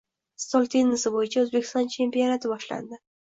Stol tennisi bo‘yicha O‘zbekiston chempionati boshlandi